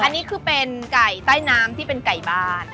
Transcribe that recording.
อันนี้คือเป็นไก่ใต้น้ำที่เป็นไก่บ้าน